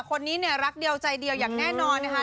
คนนี้เนี่ยรักเดียวใจเดียวอย่างแน่นอนนะคะ